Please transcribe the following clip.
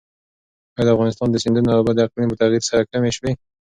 ایا د افغانستان د سیندونو اوبه د اقلیم په تغیر سره کمې شوي؟